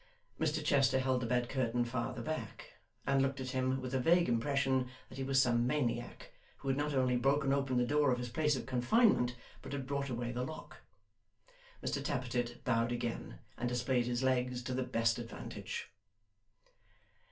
Mr Chester held the bed curtain farther back, and looked at him with a vague impression that he was some maniac, who had not only broken open the door of his place of confinement, but had brought away the lock. Mr Tappertit bowed again, and displayed his legs to the best advantage.